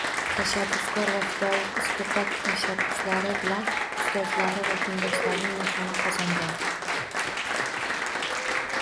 Tashabbuskor va fidoyi qiz koʻplab tashabbuslari bilan ustozlari va tengdoshlarining mehrini qozongan.